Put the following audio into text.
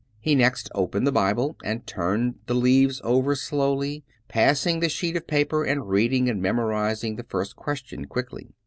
He next opened the Bible and turned the leaves over slowly, passing the sheet of paper and reading and memorizing the first question quickly.